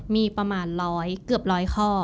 มีประมาณร้อยเกือบร้อยข้อ